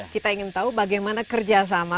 kita ingin tahu bagaimana kerjasama